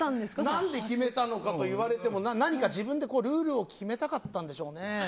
何で決めたのかといわれても自分でルールを決めたかったんですかね。